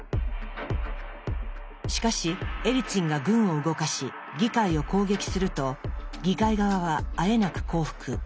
しかしエリツィンが軍を動かし議会を攻撃すると議会側はあえなく降伏。